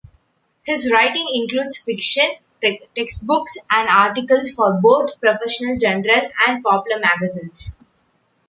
His writing includes fiction, textbooks, and articles for both professional journals and popular magazines.